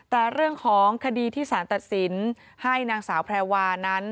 แต่เรื่องของคดีที่สารตัดสินให้นางสาวแพรวานั้น